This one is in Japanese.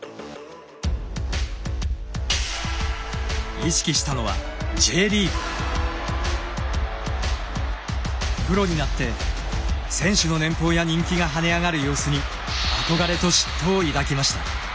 意識したのはプロになって選手の年俸や人気がはね上がる様子に憧れと嫉妬を抱きました。